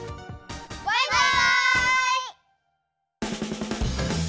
バイバイ！